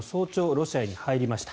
ロシアに入りました。